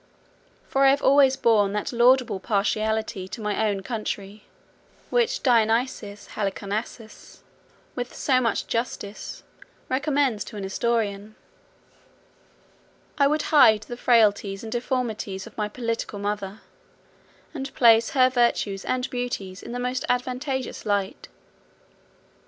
For I have always borne that laudable partiality to my own country, which Dionysius Halicarnassensis, with so much justice, recommends to an historian: I would hide the frailties and deformities of my political mother, and place her virtues and beauties in the most advantageous light.